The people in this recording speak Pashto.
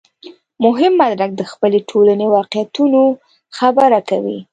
مهم مدرک د خپلې ټولنې واقعیتونو خبره ده.